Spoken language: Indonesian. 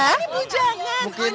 ini bu jangan